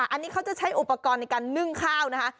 อันนี้เขาจะใช้อุปกรณ์ในการนึ่งข้าวนะคะ